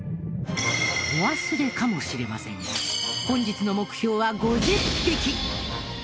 お忘れかもしれませんが本日の目標は５０匹。